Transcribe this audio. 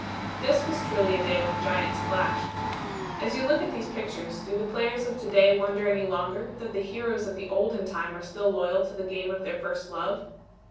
This was truly a day when giants clashed. As you look at these pictures do the players of to day wonder any longer that the heroes of the olden time are still loyal to the game of their first love?